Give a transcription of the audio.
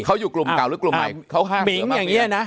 เขาอยู่กลุ่มเก่าหรือกลุ่มใหม่